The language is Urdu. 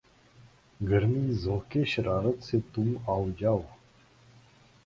گرمیِ ذوقِ شرارت سے تُم آؤ جاؤ